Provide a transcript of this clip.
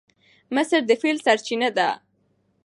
مصدر د فعل سرچینه ده.